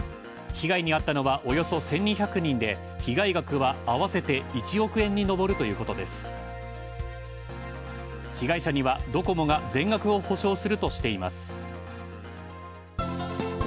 被害にあったのはおよそ１２００人で、被害額は合わせて１億円に上るということです。